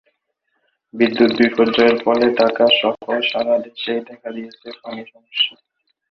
বিদ্যুত বিপর্যয়ের ফলে ঢাকা সহ সাড়া দেশেই দেখা দিয়েছে পানি সমস্যা।